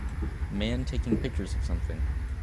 Man taking pictures of something